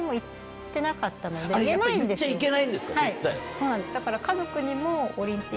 そうなんですだから。